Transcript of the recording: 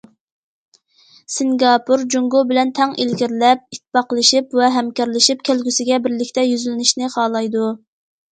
سىنگاپور جۇڭگو بىلەن تەڭ ئىلگىرىلەپ، ئىتتىپاقلىشىپ ۋە ھەمكارلىشىپ، كەلگۈسىگە بىرلىكتە يۈزلىنىشنى خالايدۇ.